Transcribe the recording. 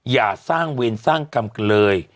อย่าสร้างเวรสร้างกรรมกันเลย